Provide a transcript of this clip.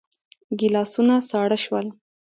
ګيلاسونه ساړه شول.